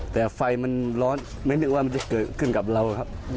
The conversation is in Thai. แต่ไฟมันร้อนไม่นึกว่ามันจะเกิดขึ้นกับเราครับ